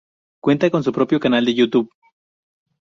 Cuenta con su propio canal en Youtube.